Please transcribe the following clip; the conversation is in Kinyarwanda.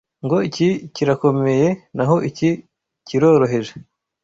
ngo iki kirakomeye naho iki kiroroheje?